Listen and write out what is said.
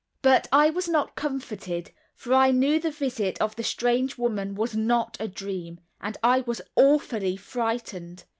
But I was not comforted, for I knew the visit of the strange woman was not a dream; and I was awfully frightened.